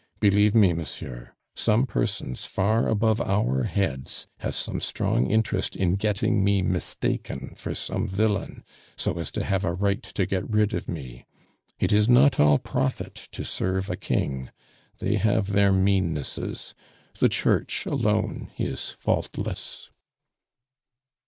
Believe me, monsieur, some persons far above our heads have some strong interest in getting me mistaken for some villain, so as to have a right to get rid of me. It is not all profit to serve a king; they have their meannesses. The Church alone is faultless."